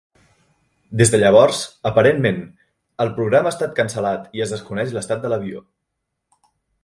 Des de llavors, aparentment, el programa ha estat cancel·lat i es desconeix l'estat de l'avió.